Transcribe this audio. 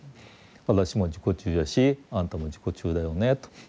私も自己中やしあなたも自己中だよねと。